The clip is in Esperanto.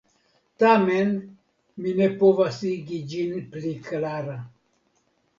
Tamen mi ne povas igi ĝin pli klara.